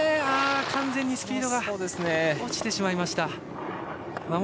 完全にスピードが落ちてしまいました。